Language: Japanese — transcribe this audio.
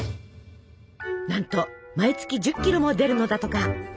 なんと毎月１０キロも出るのだとか。